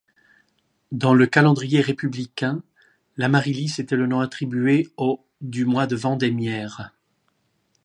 Dans le calendrier républicain, l'Amaryllis était le nom attribué au du mois de vendémiaire.